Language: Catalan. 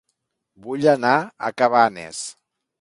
Vull anar a Cabanes